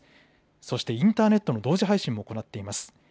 そして、インターネットの同時配信も行っています。